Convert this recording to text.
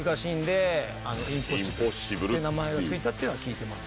って名前が付いたっていうのは聞いてます。